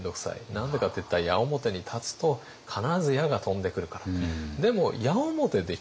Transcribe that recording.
何でかっていったら矢面に立つと必ず矢が飛んでくるから。